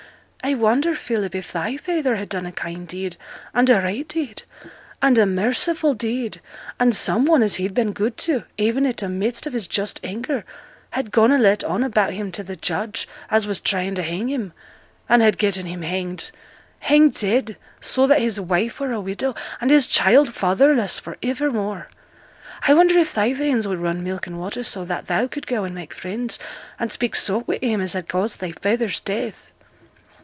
I wonder, Philip, if thy feyther had done a kind deed and a right deed and a merciful deed and some one as he'd been good to, even i' t' midst of his just anger, had gone and let on about him to th' judge, as was trying to hang him, and had getten him hanged, hanged dead, so that his wife were a widow, and his child fatherless for ivermore, I wonder if thy veins would run milk and water, so that thou could go and make friends, and speak soft wi' him as had caused thy feyther's death?'